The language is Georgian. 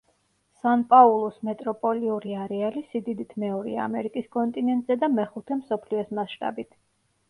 სან-პაულუს მეტროპოლიური არეალი სიდიდით მეორეა ამერიკის კონტინენტზე და მეხუთე მსოფლიოს მასშტაბით.